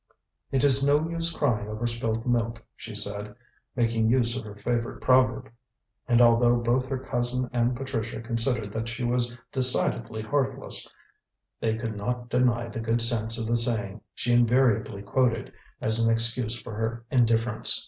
"It is no use crying over spilt milk," she said, making use of her favourite proverb; and although both her cousin and Patricia considered that she was decidedly heartless, they could not deny the good sense of the saying she invariably quoted as an excuse for her indifference.